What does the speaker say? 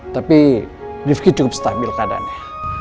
tapi rifki cukup stabil keadaannya